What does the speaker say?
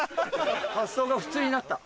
発想が普通になった。